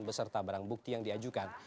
beserta barang bukti yang diajukan